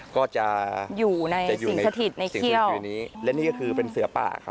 ก็จะอยู่ในสิ่งสถิตในเขี้ยวและนี่ก็คือเป็นเสือป่าครับ